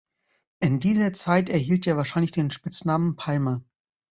In dieser Zeit erhielt er wahrscheinlich den Spitznamen „Palma“.